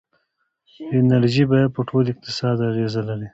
د انرژۍ بیه په ټول اقتصاد اغېزه لري.